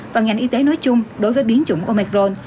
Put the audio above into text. và ngành y tế nói chung đối với biến chủng omicron